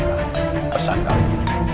baiklah pesan kau